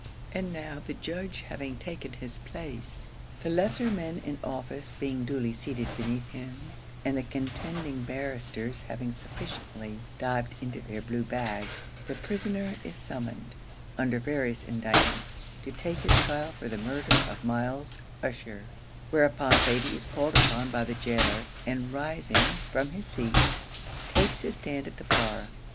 And now the judge having taken his place, the lesser men in office being duly seated beneath him, and the contending barristers having sufficiently dived into their blue bags, the prisoner is summoned, under various indictments, to take his trial for the murder of Myles Ussher; whereupon Thady is called upon by the gaoler, and, rising from his seat, takes his stand at the bar.